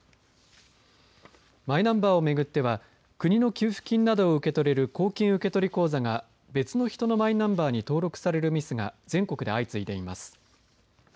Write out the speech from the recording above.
マイナンバーを巡っては国の給付金などを受け取れる公金受取口座が別の人のマイナンバーに登録されるミスが全国で相次いでいます。